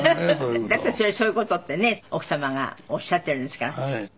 だってそりゃそういう事ってね奥様がおっしゃってるんですから。